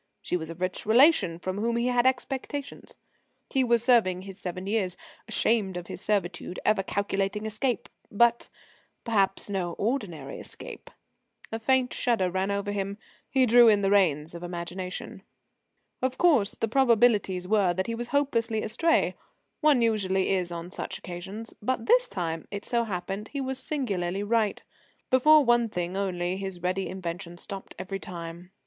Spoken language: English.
She was a rich relation, from whom he had expectations; he was serving his seven years, ashamed of his servitude, ever calculating escape but, perhaps, no ordinary escape. A faint shudder ran over him. He drew in the reins of imagination. Of course, the probabilities were that he was hopelessly astray one usually is on such occasions but this time, it so happened, he was singularly right. Before one thing only his ready invention stopped every time.